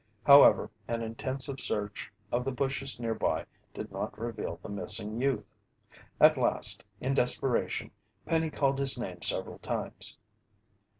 However, an intensive search of the bushes nearby did not reveal the missing youth. At last, in desperation, Penny called his name several times.